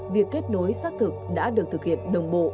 việc kết nối xác thực đã được thực hiện đồng bộ